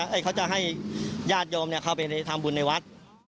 เขาจะให้ญาติโยมเข้าไปทำบุญในวัด